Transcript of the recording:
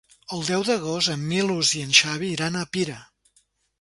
El deu d'agost en Milos i en Xavi iran a Pira.